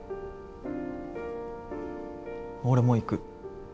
俺も行く。